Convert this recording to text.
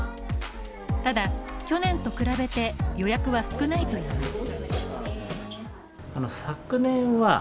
ただ、去年と比べて予約は少ないといいます。